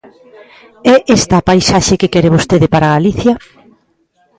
¿É esta a paisaxe que quere vostede para Galicia?